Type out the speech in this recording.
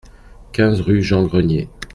quinze rue Jean Grenier